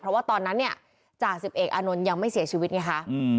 เพราะว่าตอนนั้นเนี่ยจ่าสิบเอกอานนท์ยังไม่เสียชีวิตไงคะ